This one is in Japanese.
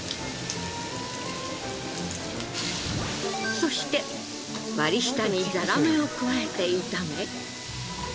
そして割り下にザラメを加えて炒め。